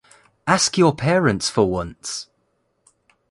Ask your parents for once!